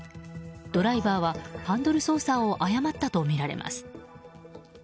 ドライバーはハンドル操作を誤ったとみられます。